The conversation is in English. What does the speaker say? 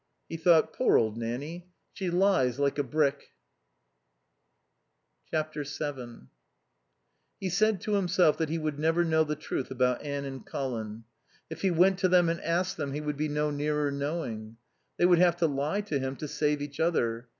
He thought: Poor old Nanny. She lies like a brick. vii He said to himself that he would never know the truth about Anne and Colin. If he went to them and asked them he would be no nearer knowing. They would have to lie to him to save each other.